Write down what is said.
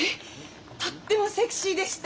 とってもセクシーでした。